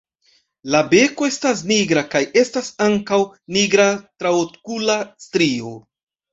La beko estas nigra kaj estas ankaŭ nigra traokula strio.